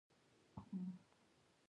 موږ د عمان ښار لویدیځ کې روان یو.